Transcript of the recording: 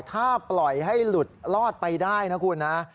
ถ้าปล่อยให้หลุดรอดไปได้นะคุณนะ